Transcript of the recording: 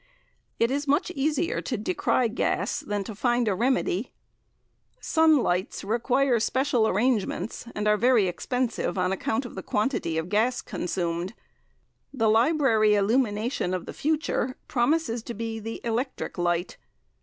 It is much easier to decry gas than to find a remedy. Sun lights require especial arrangements, and are very expensive on account of the quantity of gas consumed. The library illumination of the future promises to be the electric light.